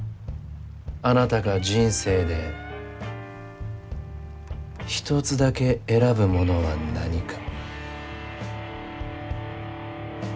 あなたが人生で一つだけ選ぶものは何か？